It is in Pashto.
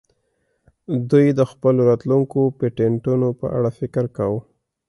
دوی د خپلو راتلونکو پیټینټونو په اړه فکر کاوه